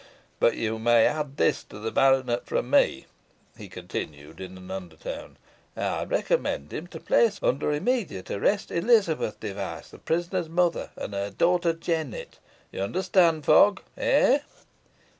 But you may add this to the baronet from me," he continued, in an under tone. "I recommend him to place under immediate arrest Elizabeth Device, the prisoner's mother, and her daughter Jennet. You understand, Fogg eh?"